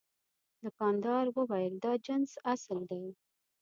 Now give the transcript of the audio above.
دوکاندار وویل دا جنس اصل دی.